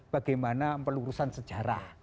bagaimana pelurusan sejarah